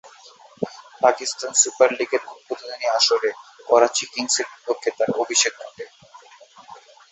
Pakistan super লীগের উদ্বোধনী আসরে করাচী কিংসের বিপক্ষে তার অভিষেক ঘটে।